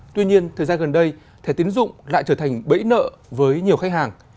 tuy nhiên thời gian gần đây thẻ tiến dụng lại trở thành bẫy nợ với nhiều khách hàng